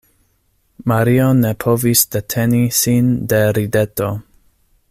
Mario ne povis deteni sin de rideto.